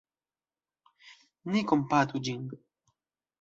Ni kompatu ĝin.